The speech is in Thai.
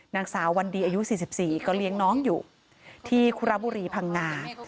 นางสาววันดีอายุ๔๔ก็เลี้ยงน้องอยู่ที่คุระบุรีพังงา